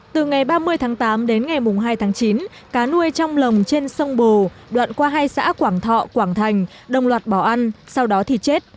từ ngày ba mươi tháng tám đến ngày hai tháng chín cá nuôi trong lồng trên sông bồ đoạn qua hai xã quảng thọ quảng thành đồng loạt bỏ ăn sau đó thì chết